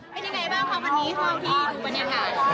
เป็นยังไงบ้างครับวันนี้ห้องที่บุปนิษฐา